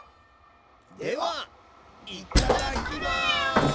ではいただきます！